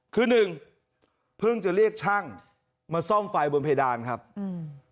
คือหนึ่งเพิ่งจะเรียกช่างมาซ่อมไฟบนเพดานครับอืม